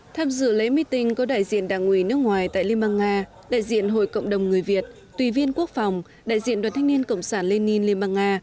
tham dự lễ meeting có đại diện đảng ủy nước ngoài tại liên bang nga đại diện hội cộng đồng người việt tùy viên quốc phòng đại diện đoàn thanh niên cộng sản lenin liên bang nga